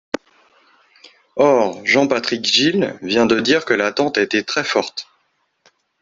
Or Jean-Patrick Gille vient de dire que l’attente était très forte.